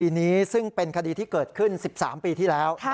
นี้ซึ่งเป็นคดีที่เกิดขึ้น๑๓ปีที่แล้ว